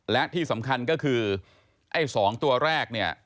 และที่สำคัญก็คือไอ้๒ตัวแรกเนี่ย